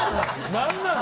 何なの？